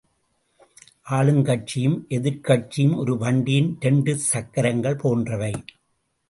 ஆளுங் கட்சியும், எதிர்க் கட்சியும் ஒரு வண்டியின் இரண்டு சக்கரங்கள் போன்றவை.